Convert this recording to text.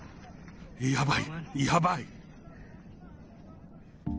やばい、やばい！